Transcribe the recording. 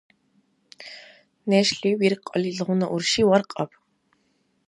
Нешли виркьалли илгъуна урши варкьаб!